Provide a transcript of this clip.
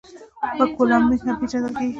په کوبالامین هم پېژندل کېږي